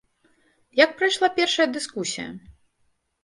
Як прайшла першая дыскусія?